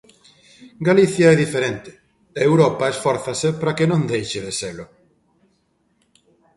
Galicia é diferente, e Europa esfórzase para que non deixe de selo.